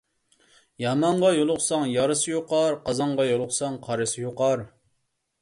يامانغا يۇلۇقساڭ يارىسى يۇقار، قازانغا يۇلۇقساڭ قارىسى يۇقار.